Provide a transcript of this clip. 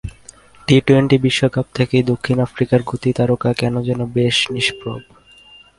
T twenty বিশ্বকাপ থেকেই দক্ষিণ আফ্রিকার গতি তারকা কেন যেন বেশ নিষ্প্রভ।